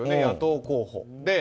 野党候補。